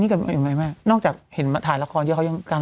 นี่กันอยู่ไหมแม่นอกจากเห็นมาถ่ายละครที่เขายังการ